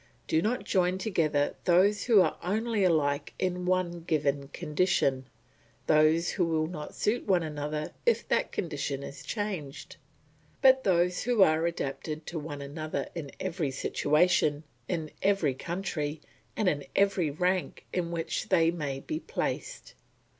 Do not join together those who are only alike in one given condition, those who will not suit one another if that condition is changed; but those who are adapted to one another in every situation, in every country, and in every rank in which they may be placed.